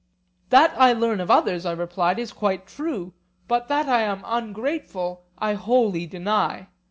That I learn of others, I replied, is quite true; but that I am ungrateful I wholly deny.